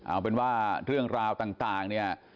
เอาเป็นว่าเรื่องราวต่างเนี่ย